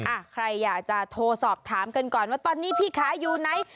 อ่ะใครอยากจะโทรสอบถามกันก่อนว่าตอนนี้พี่ค้าอยู่ไหน